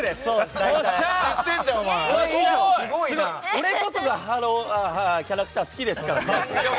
俺こそがハローキャラクター一番好きですから。